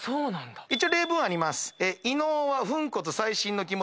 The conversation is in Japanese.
一応例文あります。